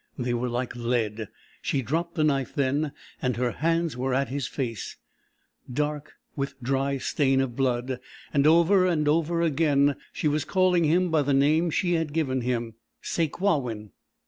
They were like lead. She dropped the knife then, and her hands were at his face dark with dry stain of blood, and over and over again she was calling him by the name she had given him Sakewawin.